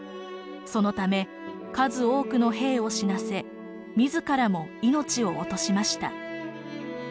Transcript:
そのため数多くの兵を死なせ自らも命を落としました。